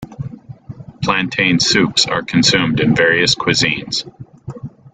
Plantain soups are consumed in various cuisines.